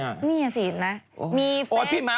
คุณคือเจ็บไหมน่ากลัวจังเลย